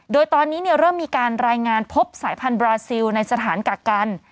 โดยตอนนี้เริ่มมีการรายงานพบสายพันธุบราซิลในสถานกักกัน